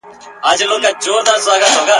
تېر له هري ورځي جنګ اوعداوت سو !.